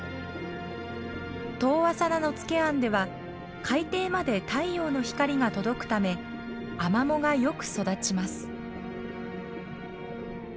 遠浅な野付湾では海底まで太陽の光が届くためアマモがよく育ちます。